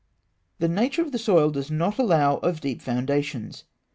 The nature of the soil does not allow of deep foundations.